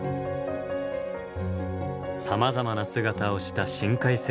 さまざまな姿をした深海生物たち。